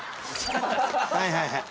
はいはいはい。